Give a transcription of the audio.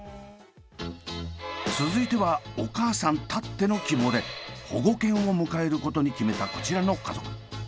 続いてはお母さんたっての希望で保護犬を迎えることに決めたこちらの家族。